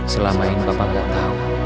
selama ini papa mau tahu